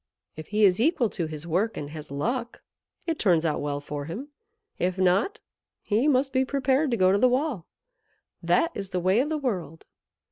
If he is equal to his work, and has luck, it turns out well for him; if not, he must be prepared to go to the wall. That is the way of the world."